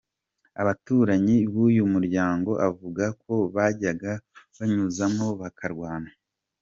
Abaturanyi b’ uyu muryango avuga ko bajyaga banyuzamo bakarwana.